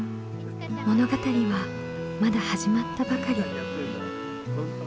物語はまだ始まったばかり。